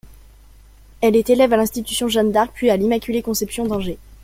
Elle est élève à l'institution Jeanne-d'Arc puis à l'Immaculée-Conception d'Angers.